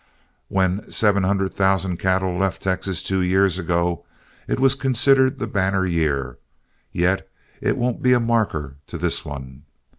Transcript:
When seven hundred thousand cattle left Texas two years ago, it was considered the banner year, yet it won't be a marker to this one.